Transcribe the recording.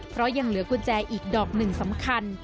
เพราะยังเหลือกุญแจอีกดอกหนึ่งสำคัญ